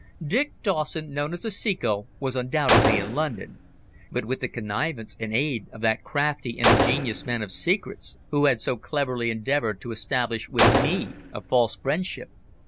Dick Dawson, known as the Ceco, was undoubtedly in London, but with the connivance and aid of that crafty and ingenious man of secrets, who had so cleverly endeavoured to establish with me a false friendship.